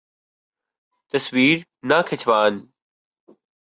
تصویر نہ کھنچوان